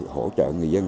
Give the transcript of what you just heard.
hỗ trợ người dân